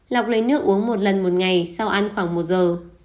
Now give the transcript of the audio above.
lọc lấy nước uống một lần một ngày sau ăn khoảng một giờ